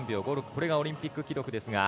これがオリンピック記録です。